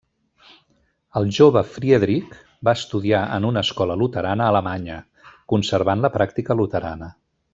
El jove Friedrich va estudiar en una escola luterana alemanya, conservant la pràctica luterana.